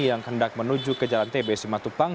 yang hendak menuju ke jalan tb simatupang